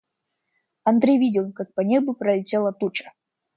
Андрей видел, как по небу пролетела туча.